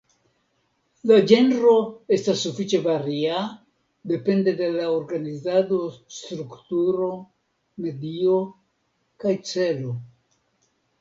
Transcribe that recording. La ĝenro estas sufiĉe varia, depende de la organizado, strukturo, medio kaj celo.